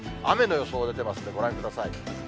雨の予想出てますんで、ご覧ください。